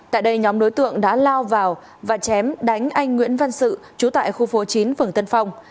tại đây nhóm đối tượng đã lao vào và chém đánh anh nguyễn văn sự trú tại khu phố chín phường tân phong